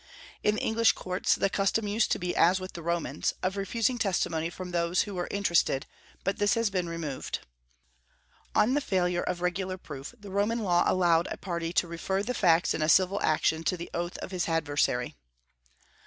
In the English courts the custom used to be as with the Romans, of refusing testimony from those who were interested; but this has been removed. On the failure of regular proof, the Roman law allowed a party to refer the facts in a civil action to the oath of his adversary.